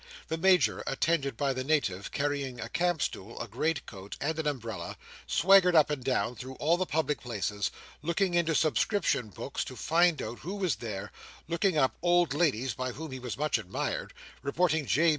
The Major, attended by the Native carrying a camp stool, a great coat, and an umbrella, swaggered up and down through all the public places: looking into subscription books to find out who was there, looking up old ladies by whom he was much admired, reporting J.